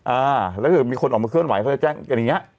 อ่าแล้วคือมีคนออกมาเคลื่อนไหวเค้าจะแจ้งอย่างนี้